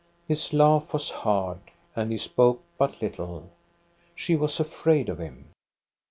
His laugh was hard, and he spoke but little. She was afraid of him.